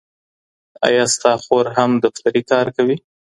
ايا ستا خور هم دفتري کار کوي؟